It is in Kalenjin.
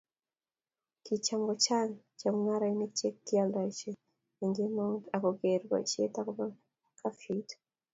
kicham kochang' chemung'arenik che kioldoisie eng' kemou ,aku kiker boisiet akobo kafyuit